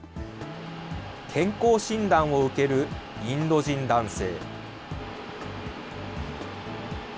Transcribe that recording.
健康診断を受けるインド人男性。